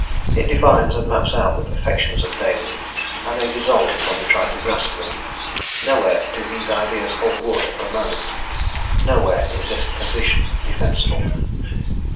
It defines and maps out the perfections of Deity, and they dissolve when we try to grasp them; nowhere do these ideas hold water for a moment; nowhere is this position defensible.